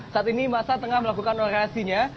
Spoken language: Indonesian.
saat ini masa tengah melakukan orasinya